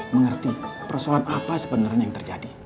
mengerti persoalan apa sebenarnya yang terjadi